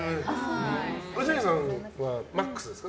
五条院さんはマックスですか？